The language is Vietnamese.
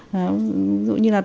ví dụ như là tôi phải đi học nhạc